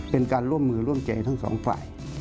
เป็นการร่วมมือร่วมใจทั้งสองฝ่าย